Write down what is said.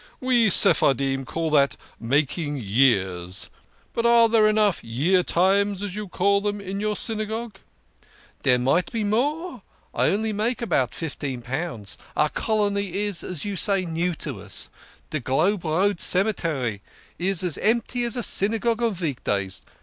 We Sephardim call that ' making years '! But are there enough Year Times, as you call them, in your Synagogue ?"" Dere might be more I only make about fifteen THE KING OF SCHNORRERS. 73 pounds. Our colony is, as you say, too new. De Globe Road Cemetery is as empty as a Synagogue on veek days.